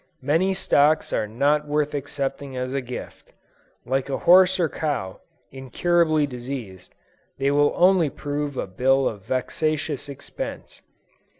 Many stocks are not worth accepting as a gift: like a horse or cow, incurably diseased, they will only prove a bill of vexatious expense.